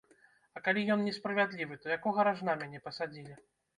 А калі ён несправядлівы, то якога ражна мяне пасадзілі?